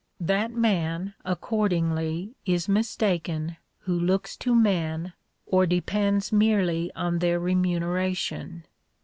That man, accordingly, is mistaken who looks to men, or depends merely on their remuneration.